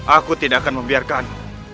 aku tidak akan membiarkan